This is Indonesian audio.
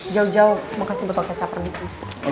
jauh jauh mau kasih betul betul caper disini